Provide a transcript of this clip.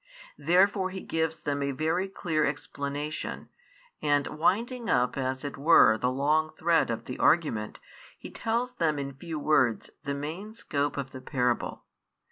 Therefore He gives them a very clear explanation, and winding up as it were the long thread of the argument, He tells them in few words the main scope of the parable.